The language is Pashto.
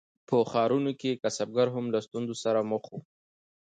په ښارونو کې کسبګر هم له ستونزو سره مخ وو.